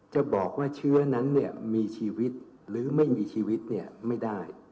จะบอกว่าเชื้อนั้นมีชีวิตหรือไม่มีชีวิตไม่ได้